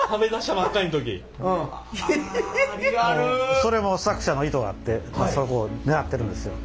それも作者の意図があってそこをねらってるんですよ。